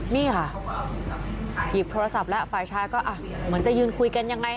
นี่ค่ะหยิบโทรศัพท์แล้วฝ่ายชายก็เหมือนจะยืนคุยกันยังไง